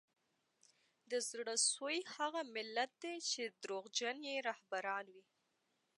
د زړه سوي هغه ملت دی چي دروغجن یې رهبران وي